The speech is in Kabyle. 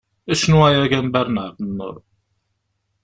Cnu ay agambar n Ԑebdennur!